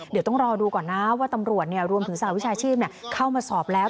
เดี๋ยวต้องรอดูก่อนนะว่าตำรวจรวมถึงสหวิชาชีพเข้ามาสอบแล้ว